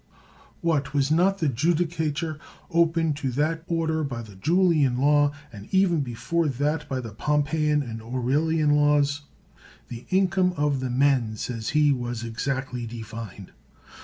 What ! was not the judicature open to that order by the Julian Law, and even before that by the Pompeian and Aurelian Laws? The income of the men, says he, was exactly defined.